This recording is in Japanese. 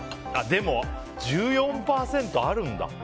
でも、１４％あるんだ。